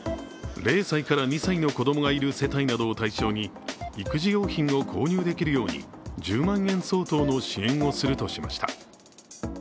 ０歳から２歳の子供がいる世帯などを対象に育児用品を購入できるように１０万円相当の支援をするとしました。